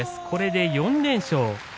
これで４連勝。